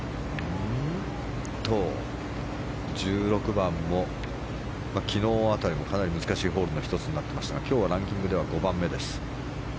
１６番も昨日辺りもかなり難しいホールの１つになってましたが今日はランキングでは５番目です。